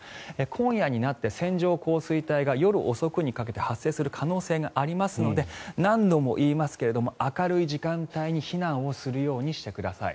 今夜になって線状降水帯が夜遅くにかけて発生する可能性がありますので何度も言いますけれども明るい時間帯に避難をするようにしてください。